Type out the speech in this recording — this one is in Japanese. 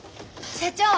社長！